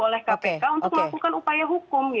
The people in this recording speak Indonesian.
oleh kpk untuk melakukan upaya hukum